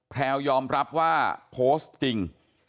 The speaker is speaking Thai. แพลวยอมรับว่าโพสต์จริง